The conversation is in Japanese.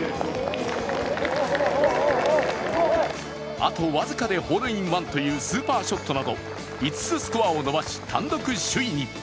あと僅かでホールインワンというスーパーショットなど、５つスコアを伸ばし、単独首位に。